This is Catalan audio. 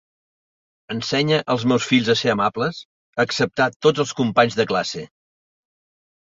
Ensenye els meus fills a ser amables, a acceptar tots els companys de classe.